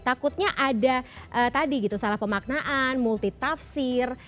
takutnya ada tadi gitu salah pemaknaan multitafsir